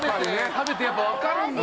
食べてやっぱわかるんだ。